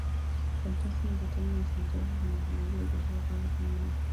Sentensi ambatano ni sentensi zenye zaidi ya kishazi huru kimoja